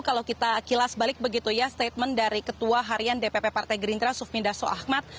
kalau kita kilas balik begitu ya statement dari ketua harian dpp partai gerindra sufminda so ahmad